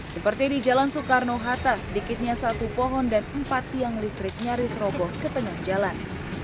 seperti di jalan soekarno hatta sedikitnya satu pohon dan empat tiang listrik nyaris roboh ke tengah jalan